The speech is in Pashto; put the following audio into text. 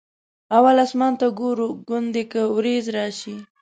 اول اسمان ته ګورو ګوندې که ورېځ راشي.